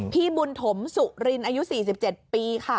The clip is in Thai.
พี่บุญถมสุรินอายุ๔๗ปีค่ะ